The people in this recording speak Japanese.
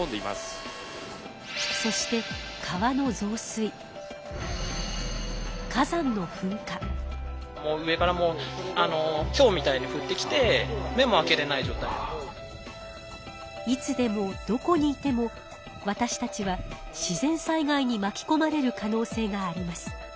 そしていつでもどこにいてもわたしたちは自然災害にまきこまれる可能性があります。